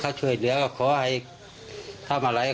ข้าช่วยเรขับอะไรข้าให้ลุงให้ดูเรื่องเก่าหน้าไปด้วย